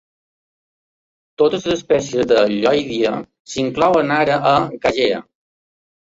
Totes les espècies de "Lloydia" s"inclouen ara a "Gagea".